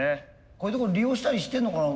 こういう所利用したりしてんのかな？